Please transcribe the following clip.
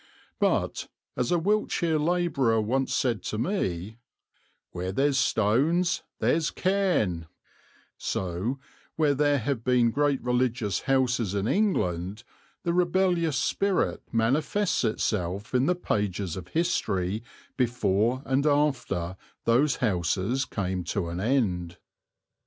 But, as a Wiltshire labourer once said to me, "where there's stoans there's carn," so, where there have been great religious houses in England, the rebellious spirit manifests itself in the pages of history before and after those houses came to an end.